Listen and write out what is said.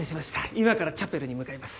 今からチャペルに向かいます。